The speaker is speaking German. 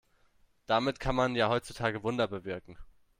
Damit kann man ja heutzutage Wunder bewirken.